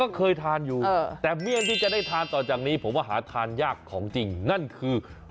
ก็เคยทานอยู่แต่เมี่ยงที่จะได้ทานต่อจากนี้ผมว่าหาทานยากของจริงนั่นคือ